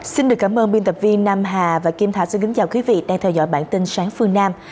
xin được cảm ơn biên tập viên nam hà và kim thạch xin kính chào quý vị đang theo dõi bản tin sáng phương nam